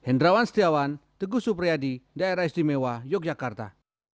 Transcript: hendrawan setiawan teguh supriyadi daerah istimewa yogyakarta